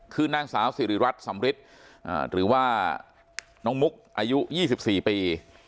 คืนนางสาวสิริรัตน์สำริสอ่าหรือว่าน้องมุกอายุยี่สิบสี่ปี